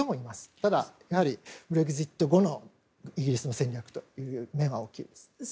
ただ、やはりブレグジッド後のイギリスの戦略が大きいです。